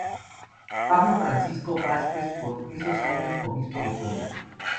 Francisco Pablo Vázquez, por esos años obispo de Puebla.